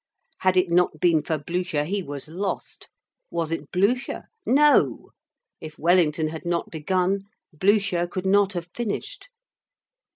Had it not been for Blücher, he was lost. Was it Blücher? No! If Wellington had not begun, Blücher could not have finished.